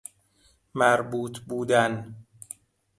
مربوط بودن